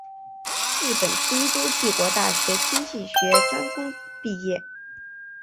日本京都帝国大学经济学专攻毕业。